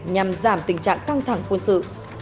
nhằm giảm tình trạng căng thẳng quân sự